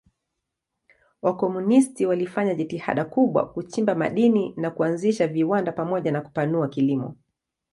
Wakomunisti walifanya jitihada kubwa kuchimba madini na kuanzisha viwanda pamoja na kupanua kilimo.